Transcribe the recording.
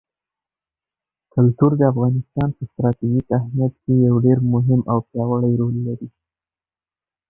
کلتور د افغانستان په ستراتیژیک اهمیت کې یو ډېر مهم او پیاوړی رول لري.